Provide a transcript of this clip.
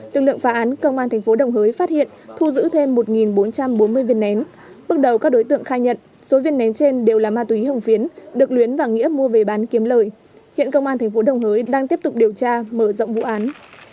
tương lượng phá án công an tp đồng hới phát hiện thu giữ thêm một bốn trăm bốn mươi viên nén bước đầu các đối tượng khai nhận số viên nén trên đều là ma túy hồng phiến được luyến và nghĩa mua về bán kiếm lời hiện công an tp đồng hới đang tiếp tục điều tra mở rộng vụ án